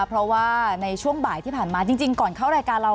เพราะว่าในช่วงบ่ายที่ผ่านมาจริงก่อนเข้ารายการเรา